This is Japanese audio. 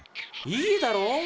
いいだろ。